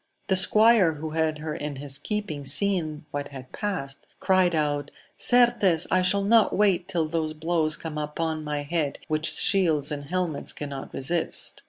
The squire who had her in his keeping seeing what had passed, cried Out, Certes I shall not wait till those blows come upon my head which shields and helmets cannot resist